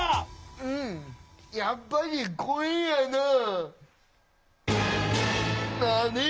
うんやっぱりこれやなあ。